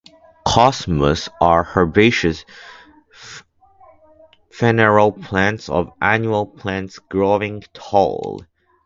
"Cosmos" are herbaceous perennial plants or annual plants growing tall.